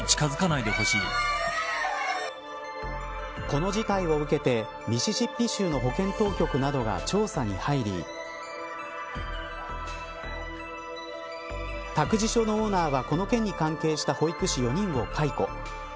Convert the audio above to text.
この事態を受けてミシシッピ州の保健当局などが調査に入り託児所のオーナーはこの件に関係した保育士４人を解雇。